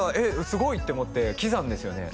すごいって思って喜山ですよね？